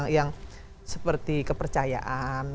yang seperti kepercayaan